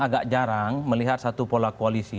agak jarang melihat satu pola koalisi